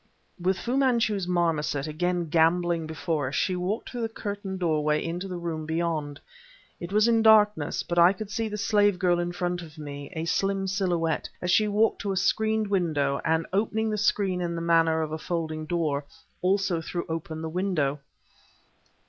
With Fu Manchu's marmoset again gamboling before us, she walked through the curtained doorway into the room beyond. It was in darkness, but I could see the slave girl in front of me, a slim silhouette, as she walked to a screened window, and, opening the screen in the manner of a folding door, also threw up the window.